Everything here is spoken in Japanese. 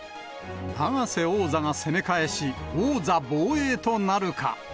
永瀬王座が攻め返し、王座防衛となるか。